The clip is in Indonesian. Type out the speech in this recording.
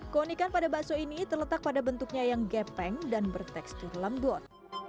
keunikan pada bakso ini terletak pada bentuknya yang gepeng dan bertekstur lembut